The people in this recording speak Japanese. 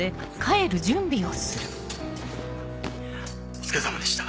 お疲れさまでした。